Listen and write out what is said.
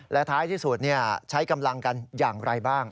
และท้ายที่สุดใช้กำลังกันอย่างไรบ้าง